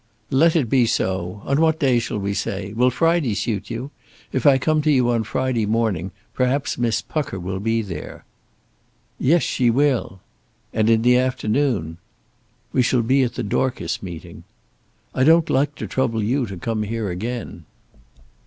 "Let it be so. On what day shall we say? Will Friday suit you? If I come to you on Friday morning, perhaps Miss Pucker will be there." "Yes, she will." "And in the afternoon." "We shall be at the Dorcas meeting." "I don't like to trouble you to come here again."